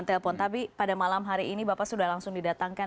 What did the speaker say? telepon tapi pada malam hari ini bapak sudah langsung didatangkan